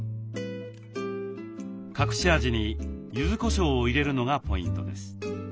隠し味にゆずこしょうを入れるのがポイントです。